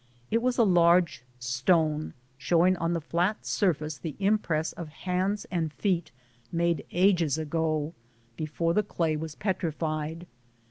It was a large stone, showing on the flat sur face the impress of hands and feet made ages ago, be fore the clay was petrified.